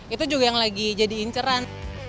itu juga yang lagi jadi inceran